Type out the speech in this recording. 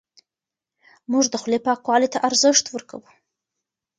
موږ د خولې پاکوالي ته ارزښت ورکوو.